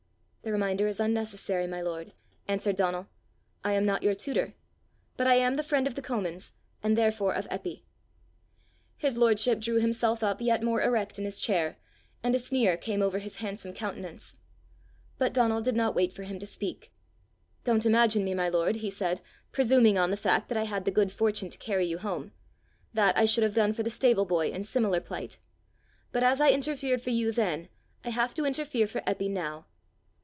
"The reminder is unnecessary, my lord," answered Donal. "I am not your tutor, but I am the friend of the Comins, and therefore of Eppy." His lordship drew himself up yet more erect in his chair, and a sneer came over his handsome countenance. But Donal did not wait for him to speak. "Don't imagine me, my lord," he said, "presuming on the fact that I had the good fortune to carry you home: that I should have done for the stable boy in similar plight. But as I interfered for you then, I have to interfere for Eppie now."